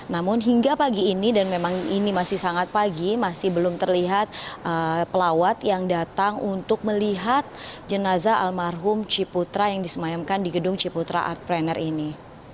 namun hingga pagi ini dan memang ini masih sangat pagi masih belum terlihat pelawat yang datang untuk melihat jenazah almarhum ciputra yang disemayamkan di gedung ciputra art planner ini